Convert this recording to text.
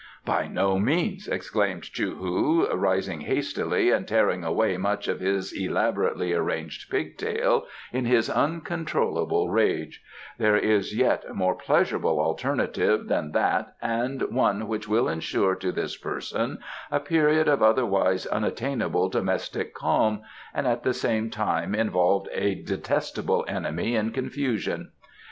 "By no means!" exclaimed Chou hu, rising hastily and tearing away much of his elaborately arranged pigtail in his uncontrollable rage; "there is yet a more pleasurable alternative than that and one which will ensure to this person a period of otherwise unattainable domestic calm and at the same time involve a detestable enemy in confusion.